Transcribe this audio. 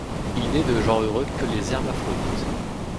Il n'est de gens heureux que les hermaphrodites !